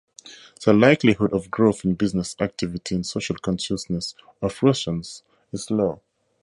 The likelihood of growth in business activity and social consciousness of Russians is low.